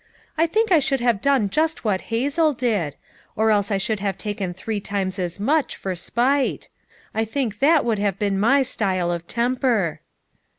I think I should have done just what Hazel did; or else I should have taken three times as much, for spite; I think that would have been my style of temper."